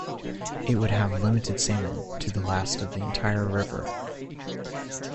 It would have limited salmon to the last of the entire river.